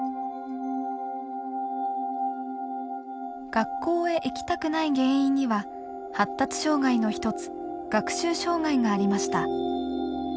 学校へ行きたくない原因には発達障害の一つ学習障害がありました。